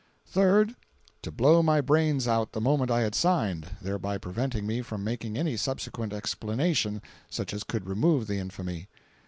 Third—To blow my brains out the moment I had signed, thereby preventing me from making any subsequent explanation such as could remove the infamy.